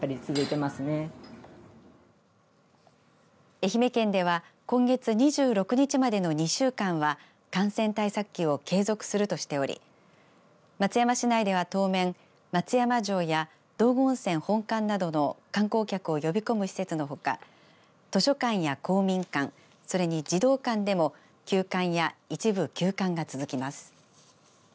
愛媛県では今月２６日までの２週間は感染対策期を継続するとしており松山市内では当面松山城や道後温泉本館などの観光客を呼び込む施設のほか図書館や公民館それに児童館でも休館や一部休館が続きます。